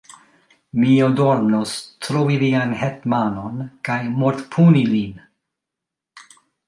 Mi ordonos trovi vian hetmanon kaj mortpuni lin!